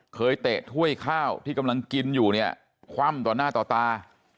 เตะถ้วยข้าวที่กำลังกินอยู่เนี่ยคว่ำต่อหน้าต่อตา